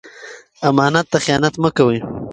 امانت ته خیانت مه کوئ.